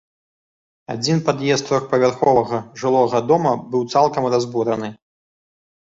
Адзін пад'езд трохпавярховага жылога дома быў цалкам разбураны.